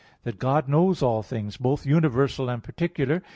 6, 11) that God knows all things, both universal and particular.